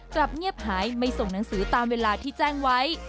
กลับเงียบหายไม่ส่งหนังสือตามเวลาที่แจ้งไว้